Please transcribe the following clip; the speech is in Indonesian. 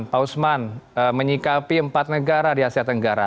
pak usman menyikapi empat negara di asia tenggara